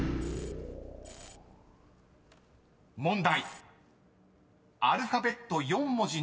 ［問題］